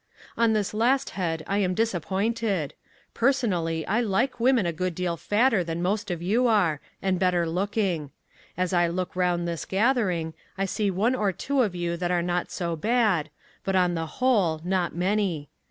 On this last head I am disappointed. Personally I like women a good deal fatter than most of you are, and better looking. As I look around this gathering I see one or two of you that are not so bad, but on the whole not many.